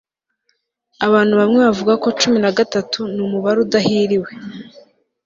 abantu bamwe bavuga ko cumi na gatatu numubare udahiriwe